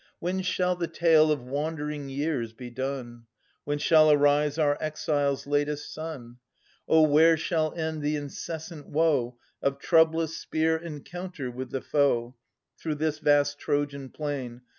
When shall the tale of wandering years be done ? When shall arise our exile's latest sun ? Oh, where shall end the incessant woe Of troublous spear encounter with the foe, Through this vast Trojan plain.